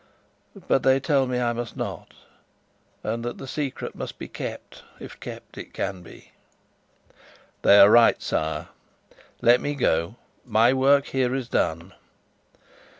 But they tell me I must not, and that the secret must be kept if kept it can be." "They are right, sire. Let me go. My work here is done."